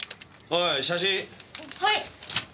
はい。